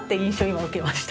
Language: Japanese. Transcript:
今受けました。